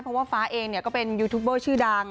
เพราะว่าฟ้าเองก็เป็นยูทูบเบอร์ชื่อดัง